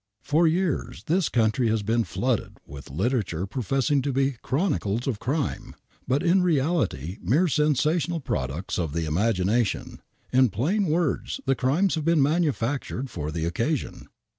For yjars this country has been flooded with literature professing to be ''CHRONICLES OF CRIiVi!Z" but in reality mere sensational products of the imagination, in plain words the crimes have been manufactured for the occasion.